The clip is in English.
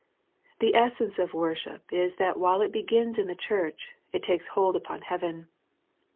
The essence of worship is that while it begins in the church, it takes hold upon heaven.